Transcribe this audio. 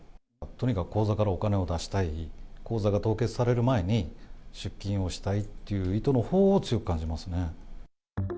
とにかく口座からお金を出したい、口座が凍結される前に、出金をしたいっていう意図のほうを強く感じますね。